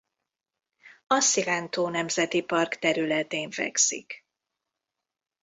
A Cilento Nemzeti Park területén fekszik.